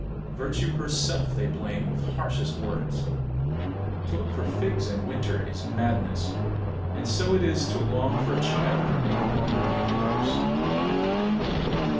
32. Virtue herself they blame with harshest words. 33. To look for figs in winter is madness; and so it is to long for a child that may no longer be yours.